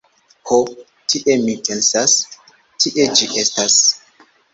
Ho tie mi pensas, tie ĝi estas.